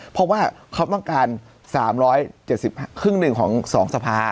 เพราะว่าเขามักการสามร้อยเจ็ดสิบครึ่งหนึ่งของสองสภา